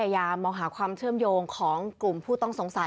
และความสุขของคุณค่ะ